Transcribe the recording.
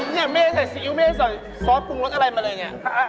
นี่ไม่ได้ใส่ซีอิ๊วไม่ได้ใส่ซอสปรุงรสอะไรมาเลย